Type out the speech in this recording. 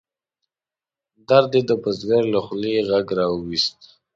درد یې د بزګر له خولې غږ را ویوست.